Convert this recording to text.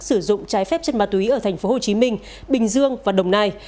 sử dụng trái phép chất ma túy ở tp hcm bình dương và đồng nai